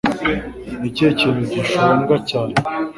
Ni ikihe kintu gishonga cyane?